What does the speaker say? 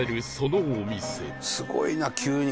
すごいな急に。